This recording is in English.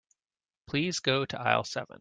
Please go to aisle seven.